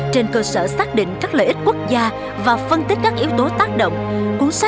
trên cơ sở xác định các lợi ích quốc gia và phân tích các yếu tố tác động